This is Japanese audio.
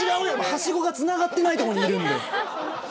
はしごがつながってない所にいるんで。